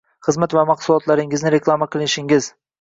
xizmat va mahsulotingizni reklama qilishingiz